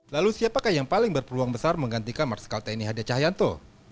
lalu siapakah yang paling berpeluang besar menggantikan marsikal tni hadi cahyanto